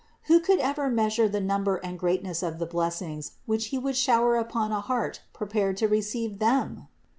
Who could ever measure the number and greatness of the blessings which He would shower upon a heart prepared to receive them